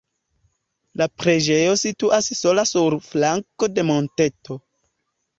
La preĝejo situas sola sur flanko de monteto.